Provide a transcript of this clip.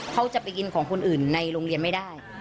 เขาจะไปกินของคนอื่นในโรงเรียนไม่ได้